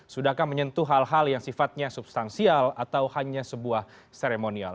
sudahkah menyentuh hal hal yang sifatnya substansial atau hanya sebuah seremonial